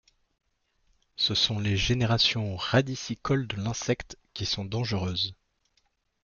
Ce sont les générations radicicoles de l'insecte qui sont dangereuses.